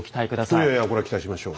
いやいやこれは期待しましょう。